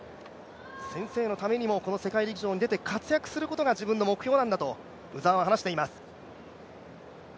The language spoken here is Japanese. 先生のためにもこの世界陸上に出て、活躍することが自分の目標なんだと鵜澤は話しています。